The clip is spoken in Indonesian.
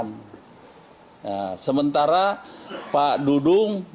nah sementara pak dudung